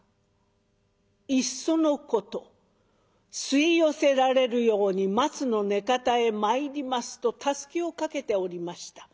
いっそのこと吸い寄せられるように松の根方へ参りますとたすきをかけておりました。